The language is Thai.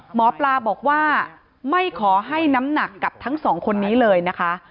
หมอปลาบอกว่าไม่ขอให้น้ำหนักกับทั้งสองคนนี้เลยนะคะ